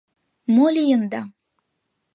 Мо лийында?